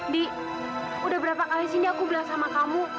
di udah berapa kali sindi aku gelas sama kamu